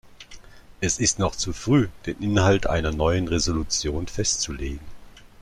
Es ist noch zu früh, den Inhalt einer neuen Resolution festzulegen.